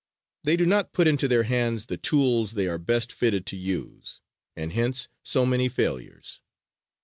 They do not put into their hands the tools they are best fitted to use, and hence so many failures.